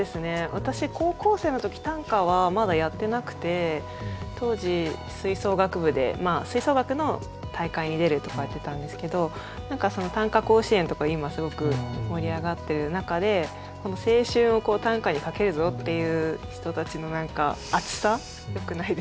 私高校生の時短歌はまだやってなくて当時吹奏楽部でまあ吹奏楽の大会に出るとかはやってたんですけど何か短歌甲子園とか今すごく盛り上がってる中で青春を短歌にかけるぞっていう人たちの熱さよくないですか。